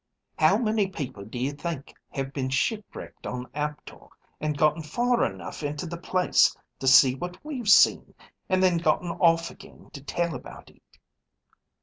How many people do you think have been shipwrecked on Aptor and gotten far enough into the place to see what we've seen, and then gotten off again to tell about it?"